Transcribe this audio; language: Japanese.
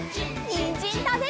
にんじんたべるよ！